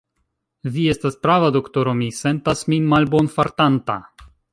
Vi estas prava, doktoro; mi sentas min malbonfartanta.